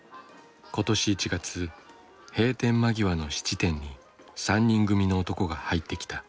今年１月閉店間際の質店に３人組の男が入ってきた。